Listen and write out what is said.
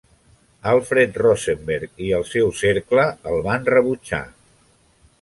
Alfred Rosenberg i el seu cercle el van rebutjar.